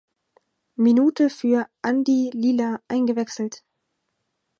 Minute für Andi Lila eingewechselt.